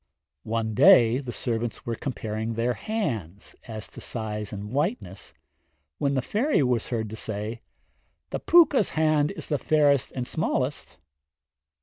One day the servants were comparing their hands, as to size and whiteness, when the fairy was heard to say, 'The Pwca's hand is the fairest and smallest.'